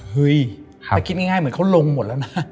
เฮ้ยถ้าคิดง่ายเหมือนเขาลงหมดแล้วนะ